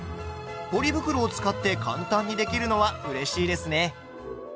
ポリ袋を使って簡単にできるのはうれしいですね。